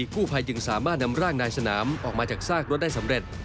กู้ภัยจึงสามารถนำร่างนายสนามออกมาจากซากรถได้สำเร็จ